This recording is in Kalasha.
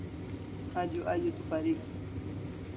Ajo a ze tu parik